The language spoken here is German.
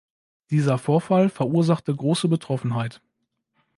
Dieser Vorfall verursachte große Betroffenheit.